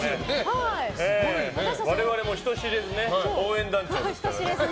我々も人知れず応援団長ですからね。